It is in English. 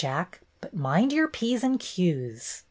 Jack, but mind your p's and q's."